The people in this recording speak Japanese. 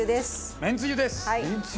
めんつゆです！